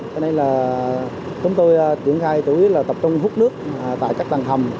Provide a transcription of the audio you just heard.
cho nên là chúng tôi triển khai chủ yếu là tập trung hút nước tại các tầng hầm